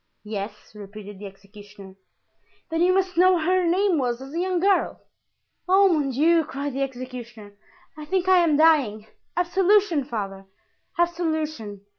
"Yes," repeated the executioner. "Then you must know what her name was as a young girl." "Oh, mon Dieu!" cried the executioner, "I think I am dying. Absolution, father! absolution."